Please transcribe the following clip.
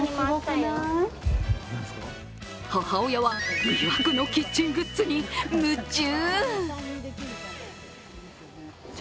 母親は、魅惑のキッチングッズに夢中。